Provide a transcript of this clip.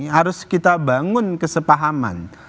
harus kita bangun kesepahaman